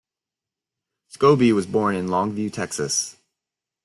Scobee was born in Longview, Texas.